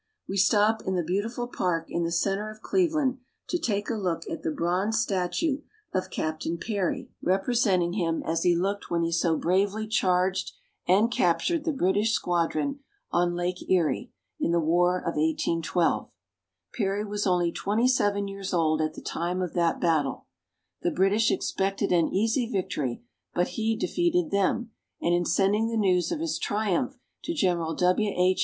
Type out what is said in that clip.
We stop in the beautiful park in the center of Cleveland to take a look at the bronze statue of Captain Perry, rep 192 THE GREAT LAKES. resenting him as he looked when he so bravely charged and captured the British squadron on Lake Erie, in the War of 1 812. Perry was only twenty seven years old at the time of that battle. The British expected an easy vic tory, but he defeated them ; and in sending the news of his triumph to General W. H.